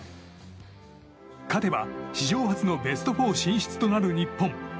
勝てば史上初のベスト４進出となる日本。